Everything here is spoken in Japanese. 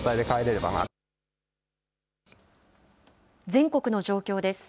全国の状況です。